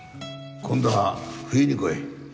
今度は冬に来い。